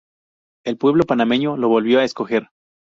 El pueblo panameño lo volvió a escoger.